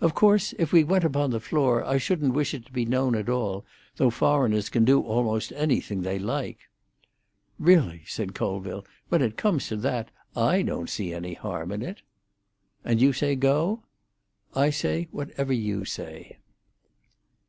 "Of course, if we went upon the floor, I shouldn't wish it to be known at all, though foreigners can do almost anything they like." "Really," said Colville, "when it comes to that, I don't see any harm in it." "And you say go?" "I say whatever you say."